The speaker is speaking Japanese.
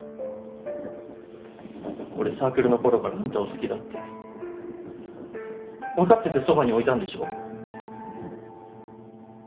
俺サークルの頃からあんたを好きだって分かっててそばに置いたんでしょ。